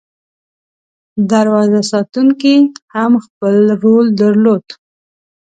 دروازه ساتونکي هم خپل رول درلود.